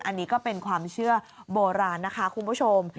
อันนี้ก็เป็นความเชื่อโบราณนะคะคุณผู้ชม